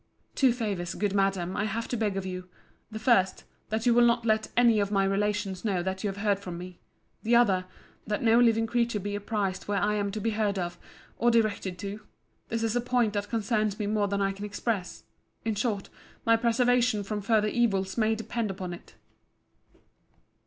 Two favours, good Madam, I have to beg of you.—The first,—that you will not let any of my relations know that you have heard from me. The other,—that no living creature be apprized where I am to be heard of, or directed to. This is a point that concerns me more than I can express.—In short, my preservation from further evils may depend upon it.